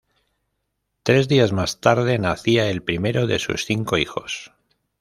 Tres días más tarde nacía el primero de sus cinco hijos.